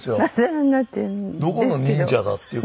どこの忍者だっていう。